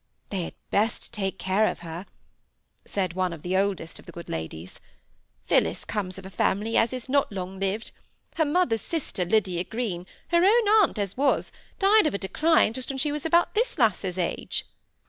"They had best take care of her," said one of the oldest of the good ladies; "Phillis comes of a family as is not long lived. Her mother's sister, Lydia Green, her own aunt as was, died of a decline just when she was about this lass's age."